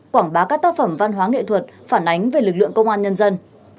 quảng bá các tác phẩm văn hóa nghệ thuật phản ánh về lực lượng công an nhân dân